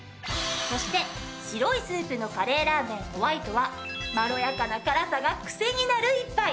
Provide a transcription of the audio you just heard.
そして白いスープのカレーらーめんホワイトはまろやかな辛さがクセになる一杯。